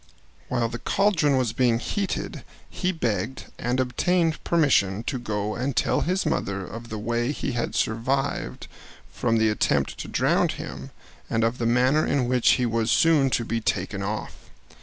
While the caldron was being heated he begged and obtained permission to go and tell his mother of the way he had survived from the attempt to drown him, and of the manner in which he was soon to be taken off.